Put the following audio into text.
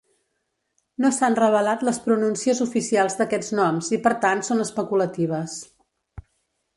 No s'han revelat les pronúncies oficials d'aquests noms i per tant són especulatives.